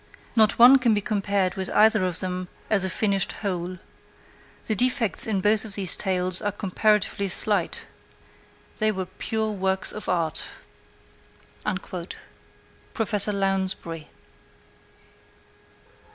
Not one can be compared with either of them as a finished whole. The defects in both of these tales are comparatively slight. They were pure works of art. Prof. Lounsbury.